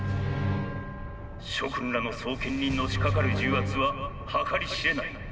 「諸君らの双肩にのしかかる重圧は計り知れない。